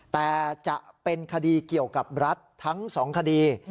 แต่จะเป็นคดีเกี่ยวกับรัฐทั้ง๒คดี